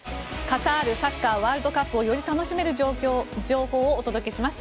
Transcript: カタールサッカーワールドカップをより楽しめる情報をお届けします。